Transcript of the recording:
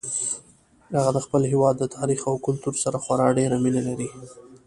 هغه د خپل هیواد د تاریخ او کلتور سره خورا ډیره مینه لري